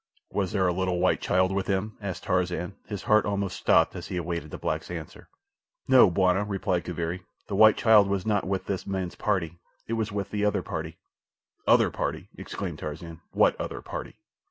"Was there a little white child with him?" asked Tarzan, his heart almost stopped as he awaited the black's answer. "No, bwana," replied Kaviri, "the white child was not with this man's party—it was with the other party." "Other party!" exclaimed Tarzan. "What other party?"